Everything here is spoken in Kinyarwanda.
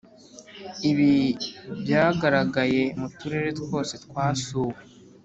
ibi byagaragaye mu turere twose twasuwe.